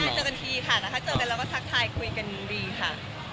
ใช่ค่ะเจอกันทีค่ะนะคะเจอกันแล้วก็ทักทายคุยกันดีค่ะ